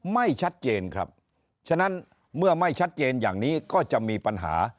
ไม่ชัดเจนครับฉะนั้นเมื่อไม่ชัดเจนอย่างนี้ก็จะมีปัญหา